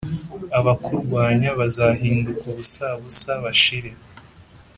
abakurwanya bazahinduka ubusabusa, bashire.